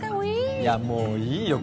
いやもういいよ